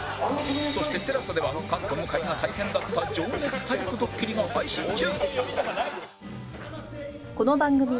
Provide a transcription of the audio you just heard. そして ＴＥＬＡＳＡ では菅と向井が大変だった『情熱太陸』ドッキリが配信中！